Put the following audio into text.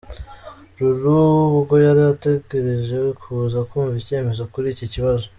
Lulu ubwo yari ategereje kuza kumva icyemezo kuri iki kibazo.